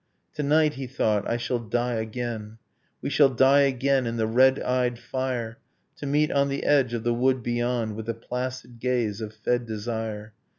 To night, he thought, I shall die again, We shall die again in the red eyed fire To meet on the edge of the wood beyond With the placid gaze of fed desire